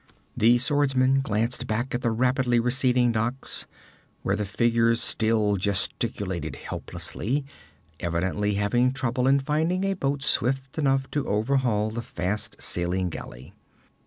The swordsman glanced back at the rapidly receding docks, where the figures still gesticulated helplessly, evidently having trouble in finding a boat swift enough to overhaul the fast sailing galley.